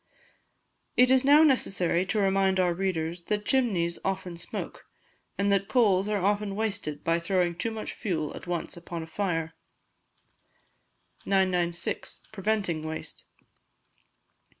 It is now necessary to remind our readers that chimneys often smoke, and that coals are often wasted by throwing too much fuel at once upon a fire. 996. Preventing Waste.